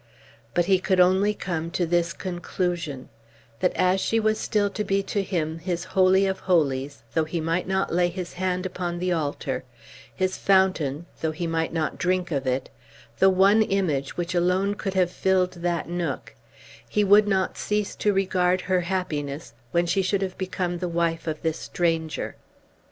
But he could only come to this conclusion, that as she was still to be to him his holy of holies though he might not lay his hand upon the altar, his fountain though he might not drink of it, the one image which alone could have filled that nook, he would not cease to regard her happiness when she should have become the wife of this stranger.